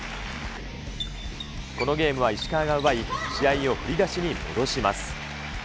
このゲームは石川が奪い、試合を振り出しに戻します。